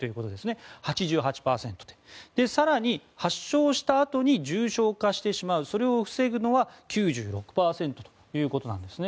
それが８８％で更に発症したあとに重症化してしまうそれを防ぐのは９６％ということなんですね。